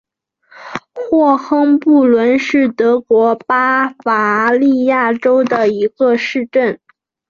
霍亨布伦是德国巴伐利亚州的一个市镇。